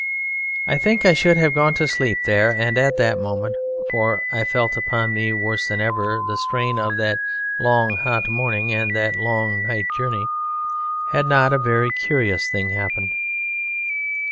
I think I should have gone to sleep there and at that moment for I felt upon me worse than ever the strain of that long hot morning and that long night journey had not a very curious thing happened."